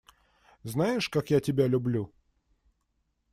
Знаешь, как я тебя люблю!